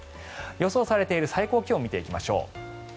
予想されている最高気温を見ていきましょう。